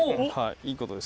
いいことです。